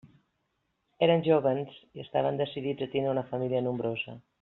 Eren jóvens i estaven decidits a tindre una família nombrosa.